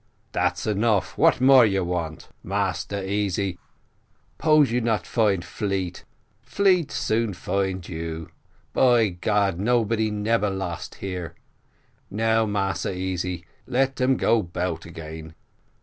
"Dat enough, what you want more? Massa Easy, 'pose you not find fleet, fleet soon find you. By God, nobody nebba lost here. Now, Massa Easy, let um go 'bout gain.